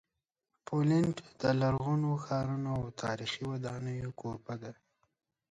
پولینډ د لرغونو ښارونو او تاریخي ودانیو کوربه دی.